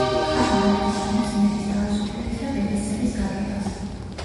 კარმა აერთიანებს ნების თავისუფლების და ბედისწერის გაგებას.